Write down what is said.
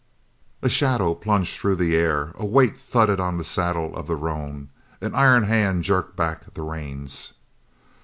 A shadow plunged through the air; a weight thudded on the saddle of the roan; an iron hand jerked back the reins.